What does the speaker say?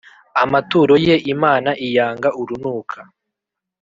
amaturo ye imana iyanga urunuka